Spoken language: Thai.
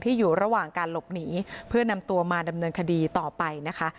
อยู่ระหว่างการหลบหนีเพื่อนำตัวมาดำเนินคดีต่อไปนะคะ